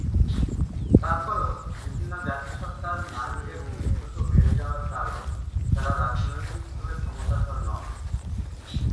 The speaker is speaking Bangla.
তারপরও বিভিন্ন জাতিসত্তার নারীদের নিগ্রহ বেড়ে যাওয়ার কারণ তাঁরা রাজনৈতিকভাবে ক্ষমতাধর নন।